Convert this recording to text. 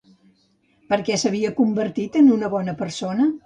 Per què s'havia convertit en una bona persona?